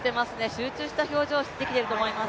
集中した表情ができていると思います。